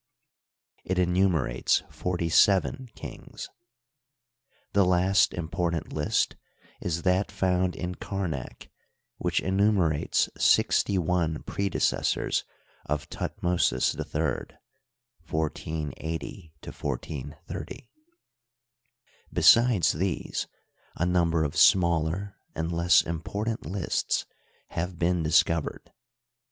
; it enumerates forty seven kings. The last important list is that found in Karnak, which enumerates sixty one predecessors of Thut mosis III (1480 to 1430). Besides these a number of smaller and less important lists have been discovered.